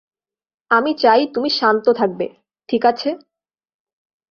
আমি চাই তুমি শান্ত থাকবে, ঠিক আছে?